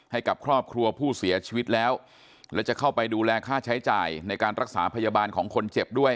ให้กับครอบครัวผู้เสียชีวิตแล้วและจะเข้าไปดูแลค่าใช้จ่ายในการรักษาพยาบาลของคนเจ็บด้วย